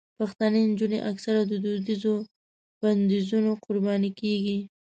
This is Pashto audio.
پښتنې نجونې اکثره د دودیزو بندیزونو قرباني کېږي.